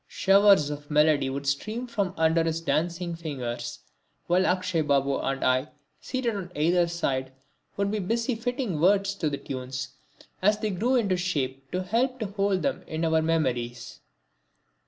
Showers of melody would stream from under his dancing fingers, while Akshay Babu and I, seated on either side, would be busy fitting words to the tunes as they grew into shape to help to hold them in our memories.